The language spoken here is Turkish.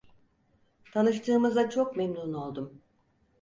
Tanıştığımıza çok memnun oldum.